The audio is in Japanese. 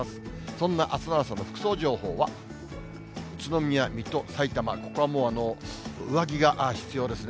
そんなあすの朝の服装情報は、宇都宮、水戸、さいたま、ここはもう、上着が必要ですね。